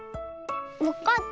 わかった。